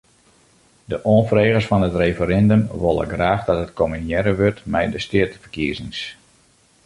De oanfregers fan it referindum wolle graach dat it kombinearre wurdt mei de steateferkiezings.